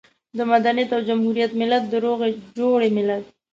د مدنيت او جمهوريت ملت، د روغې جوړې ملت.